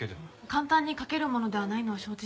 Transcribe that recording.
簡単に書けるものではないのは承知しています。